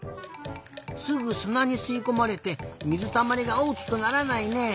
すぐすなにすいこまれて水たまりがおおきくならないね。